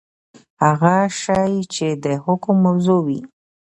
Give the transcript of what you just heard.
هغه شی چي د حکم موضوع وي.؟